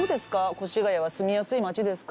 越谷は住みやすい街ですか？